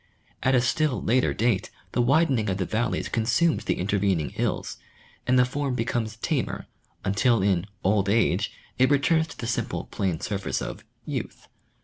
At a still later date the widening of the valleys consumes the intervening hills, and the form becomes tamer, until in " old age " it returns to the simple plain surface of " youth."